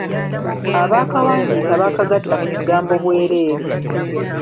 Abaakawandiika baakagatta ku kigambo 'bwereere.'